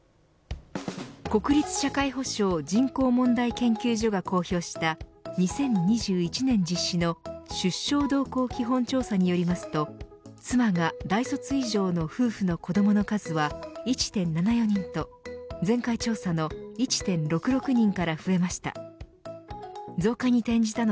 国立社会保障・人口問題研究所が公表した２０２１年実施の出生動向基本調査によりますと妻が大卒以上の夫婦の子どもの数は１．７４人と前回調査の１．６６人から増えました。